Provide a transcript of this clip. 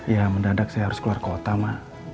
ya mendadak saya harus keluar kota mah